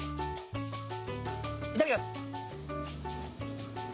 いただきます！